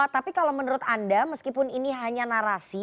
tapi kalau menurut anda meskipun ini hanya narasi